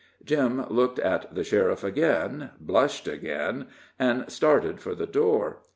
Jim looked at the sheriff again, blushed again, and started for the door.